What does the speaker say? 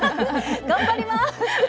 頑張ります！